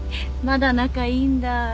まだ仲いいんだ。